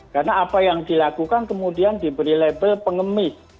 karena apa yang dilakukan kemudian diberi label pengemis